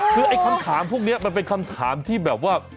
คือไอ้คำถามพวกนี้มันเป็นคำถามที่แบบว่า